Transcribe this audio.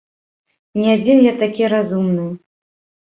Не адзін я такі разумны.